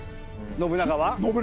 信長は。